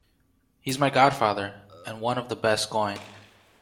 He’s my godfather, and one of the best going.